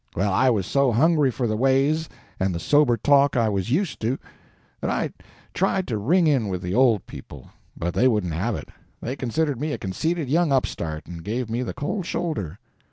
Well, I was so hungry for the ways and the sober talk I was used to, that I tried to ring in with the old people, but they wouldn't have it. They considered me a conceited young upstart, and gave me the cold shoulder.